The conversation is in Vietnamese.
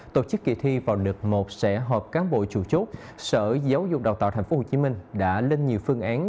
tổ chức kỳ thi vào đợt một sẽ họp cán bộ chủ chốt sở giáo dục đào tạo tp hcm đã lên nhiều phương án